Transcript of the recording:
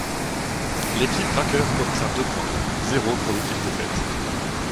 L'équipe vainqueur obtient deux points, zéro pour l’équipe défaite.